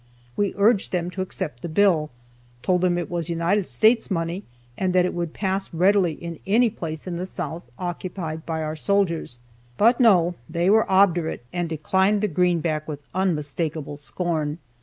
We urged them to accept the bill, told them it was United States money, and that it would pass readily in any place in the South occupied by our soldiers; but no, they were obdurate, and declined the greenback with unmistakable scorn.